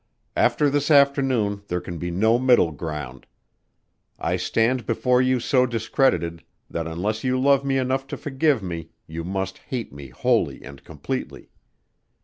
After this afternoon there can be no middle ground. I stand before you so discredited that unless you love me enough to forgive me you must hate me wholly and completely.